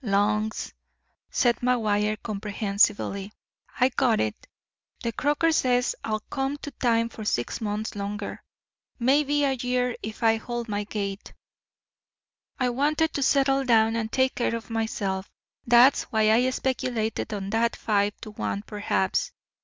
"Lungs," said McGuire comprehensively. "I got it. The croaker says I'll come to time for six months longer—maybe a year if I hold my gait. I wanted to settle down and take care of myself. Dat's why I speculated on dat five to one perhaps.